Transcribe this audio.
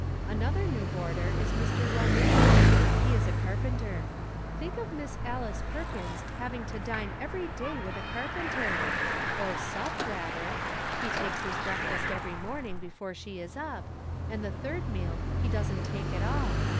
Another new boarder is Mr. Romaine. He is a carpenter. Think of Miss Alice Perkins hav ing to dine every day with a carpenter !— or sup, rather. He takes his breakfast every morning before she is up, and the third meal he doesn't 14 From Different Standpoints. take at all.